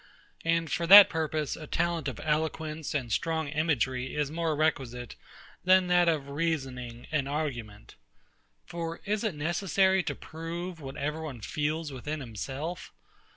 And for that purpose a talent of eloquence and strong imagery is more requisite than that of reasoning and argument. For is it necessary to prove what every one feels within himself?